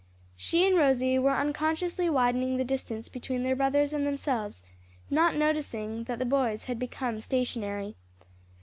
She and Rosie were unconsciously widening the distance between their brothers and themselves, not noticing that the boys had become stationary.